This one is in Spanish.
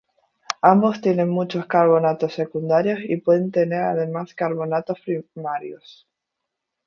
Ambos tienen muchos carbonatos secundarios y pueden tener además carbonatos primarios.